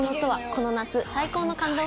この夏最高の感動